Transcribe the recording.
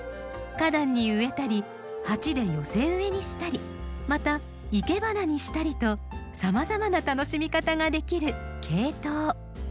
花壇に植えたり鉢で寄せ植えにしたりまた生け花にしたりとさまざまな楽しみ方ができるケイトウ。